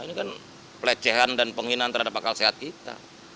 ini kan pelecehan dan penghinaan terhadap akal sehat kita